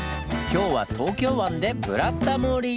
今日は東京湾で「ブラタモリ」！